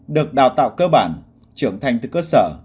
được đào tạo cơ bản trưởng thành từ cơ sở